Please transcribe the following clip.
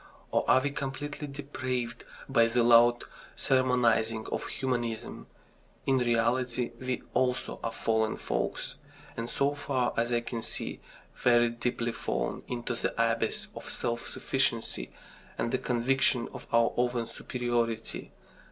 Or are we completely depraved by the loud sermonising of humanism? In reality, we also are fallen folks, and, so far as I can see, very deeply fallen into the abyss of self sufficiency and the conviction of our own superiority.